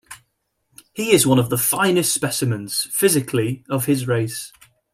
He is one of the finest specimens, physically, of his race.